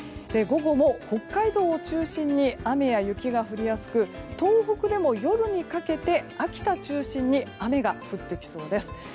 午後も北海道を中心に雨や雪が降りやすく東北でも夜にかけて秋田中心に雨が降ってきそうです。